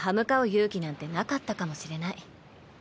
勇気なんてなかったかもしれない。